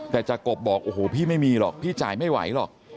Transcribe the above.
แต่จากกบบอกโอ้โหพี่ไม่มีหรอกพี่จ่ายไม่ไหวหรอก